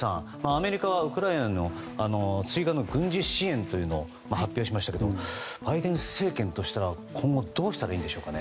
アメリカはウクライナの追加の軍事支援を発表しましたがバイデン政権としては今後どうしたらいいんでしょうか。